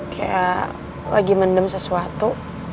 kayak lagi mendem sesuatu